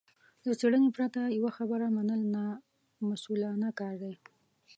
له څېړنې پرته يوه خبره منل نامسوولانه کار دی.